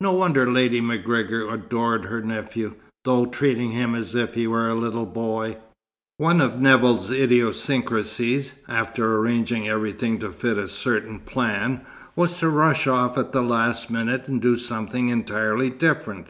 No wonder Lady MacGregor adored her nephew, though treating him as if he were a little boy! One of Nevill's idiosyncrasies, after arranging everything to fit a certain plan, was to rush off at the last minute and do something entirely different.